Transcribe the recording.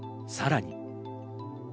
さらに。